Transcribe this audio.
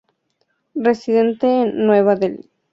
Residente en Nueva Delhi.